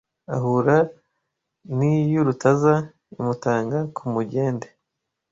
Ahura n'iy'urutaza imutanga ku mugende